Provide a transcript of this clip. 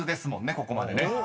ここまでね］